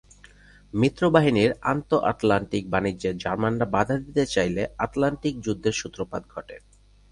মিত্রবাহিনীর আন্তঃ-আটলান্টিক বাণিজ্যে জার্মানরা বাধা দিতে চাইলে আটলান্টিক যুদ্ধের সূত্রপাত ঘটে।